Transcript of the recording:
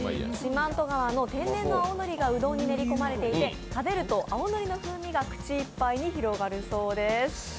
四万十川の天然の青のりがうどんに練り込まれていて食べると青のりの風味が口いっぱいに広がるそうです。